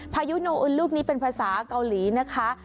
พายุโนอึนลูกนี้เป็นภาษาเกาหลีนะคะ